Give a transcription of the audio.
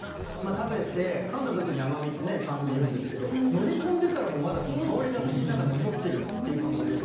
食べてかんだ時に甘みってね感じるんですけど飲み込んでからもまだこの香りが口の中残ってるっていう感覚ですね。